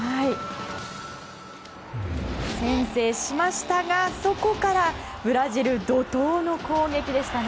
先制しましたが、そこからブラジル怒涛の攻撃でした。